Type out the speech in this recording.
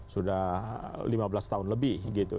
sudah lima belas tahun lebih gitu